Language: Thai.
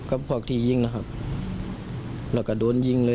พวกที่ยิงนะครับแล้วก็โดนยิงเลย